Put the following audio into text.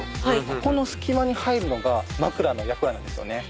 ここの隙間に入るのが枕の役割なんですよね。